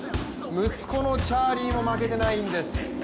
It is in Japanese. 息子のチャーリーも負けてないんです。